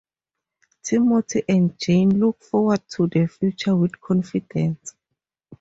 Timothy and Jane look forward to the future with confidence.